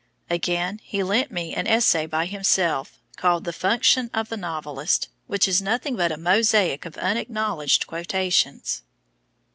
Again, he lent me an essay by himself, called The Function of the Novelist, which is nothing but a mosaic of unacknowledged quotations.